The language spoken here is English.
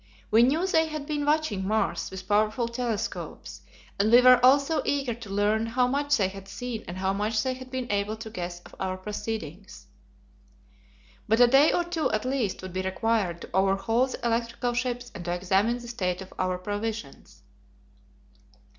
We knew they had been watching Mars with powerful telescopes, and we were also eager to learn how much they had seen and how much they had been able to guess of our proceedings. But a day or two at least would be required to overhaul the electrical ships and to examine the state of our provisions.